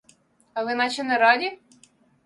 А ви наче не раді?